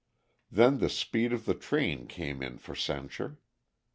Then the speed of the train came in for censure.